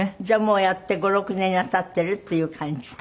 じゃあもうやって５６年が経ってるっていう感じ？